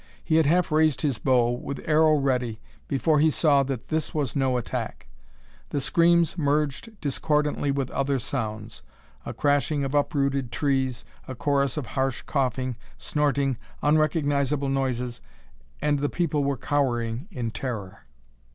He had half raised his bow, with arrow ready, before he saw that this was no attack. The screams merged discordantly with other sounds a crashing of uprooted trees a chorus of harsh coughing snorting unrecognizable noises. And the people were cowering in terror.